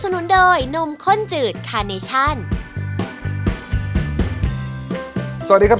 สวัสดีครับพี่นอธครับ